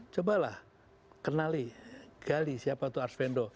cobalah kenali gali siapa itu arsvendo